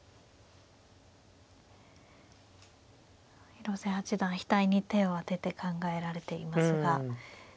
広瀬八段額に手を当てて考えられていますが。